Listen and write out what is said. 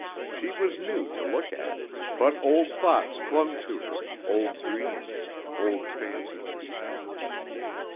She was new to look at, but old thoughts clung to her, old dreams, old fancies.